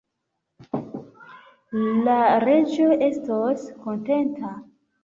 La Reĝo estos kontenta!